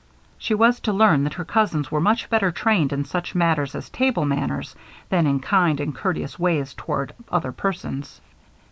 She was to learn that her cousins were much better trained in such matters as table manners than in kind and courteous ways toward other persons.